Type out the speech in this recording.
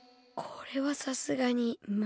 これはさすがにむりか。